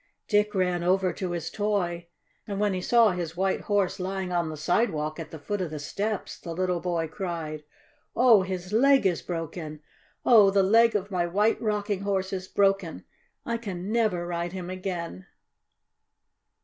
Dick ran over to his toy, and when he saw his White Horse lying on the sidewalk at the foot of the steps, the little boy cried: "Oh, his leg is broken! Oh, the leg of my White Rocking Horse is broken! I can never ride him again!"